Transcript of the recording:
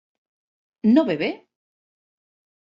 ¿no bebe?